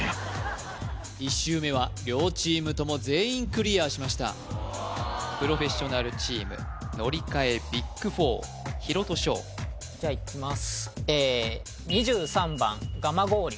１周目は両チームとも全員クリアしましたプロフェッショナルチーム乗換ＢＩＧ４廣戸晶じゃあいきます